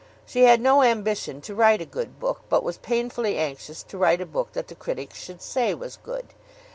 She had no ambition to write a good book, but was painfully anxious to write a book that the critics should say was good.